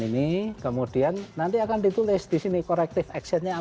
ini dilakukan setelah pesawat ini tinggal landas dari denpasar